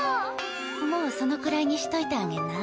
もうそのくらいにしといてあげな。